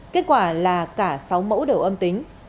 kết quả là cả sáu mẫu đều âm tính